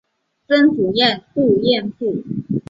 曾祖父杜彦父。